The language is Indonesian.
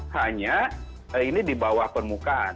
hanya ini di bawah permukaan